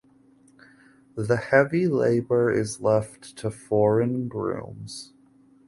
The heavy labor is left to foreign grooms.